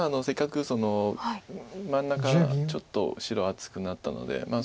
せっかく真ん中ちょっと白厚くなったので。